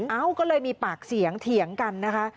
เอ้าก็เลยมีปากเสียงเถียงกันนะคะ